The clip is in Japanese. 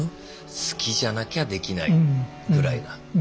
好きじゃなきゃできないぐらいな。